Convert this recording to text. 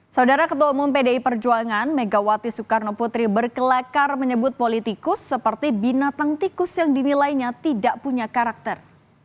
saudara ketua umum pdi perjuangan megawati soekarno putri berkelakar menyebut politikus seperti binatang tikus yang dinilainya tidak punya karakter